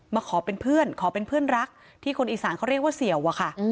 มาขอเป็นเพื่อนขอเป็นเพื่อนรักที่คนอีสานเขาเรียกว่าเสี่ยวอะค่ะ